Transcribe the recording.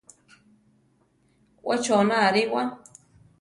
We chona ariwa.